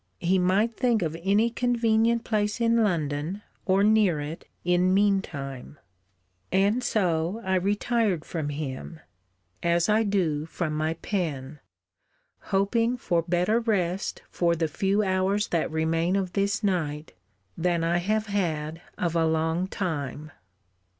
He might think of any convenient place in London, or near it, in mean time. And so I retired from him. As I do from my pen; hoping for better rest for the few hours that remain of this night than I have had of a long time.